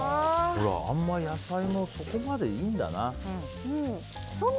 あんまり野菜もそこまでいいんだな。